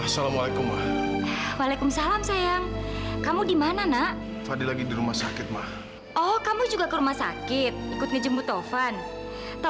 sampai jumpa di video selanjutnya